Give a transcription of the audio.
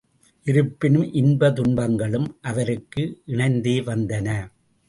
இருப்பினும் இன்ப துன்பங்களும் அவருக்கு இணைந்தே வந்தன.